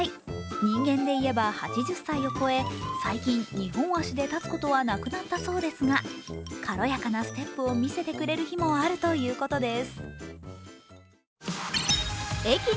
人間でいえば８０歳を超え最近２本足で立つことはなくなったそうですが、軽やかなステップを見せてくれる日もあるということです。